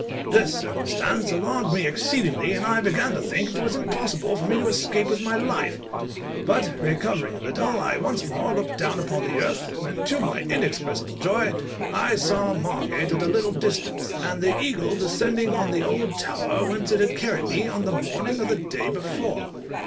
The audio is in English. This circumstance alarmed me exceedingly, and I began to think it was impossible for me to escape with my life; but recovering a little, I once more looked down upon the earth, when, to my inexpressible joy, I saw Margate at a little distance, and the eagle descending on the old tower whence it had carried me on the morning of the day before.